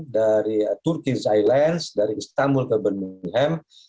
dari ee turkish islands dari istanbul ke birmingham